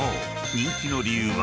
人気の理由は］